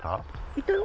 いたよ。